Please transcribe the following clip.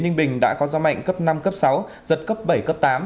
ninh bình đã có gió mạnh cấp năm cấp sáu giật cấp bảy cấp tám